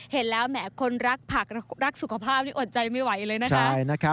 เห็นแล้วแหมคนรักผักรักสุขภาพนี่อดใจไม่ไหวเลยนะคะ